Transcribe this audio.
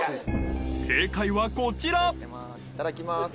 正解はこちらいただきまーす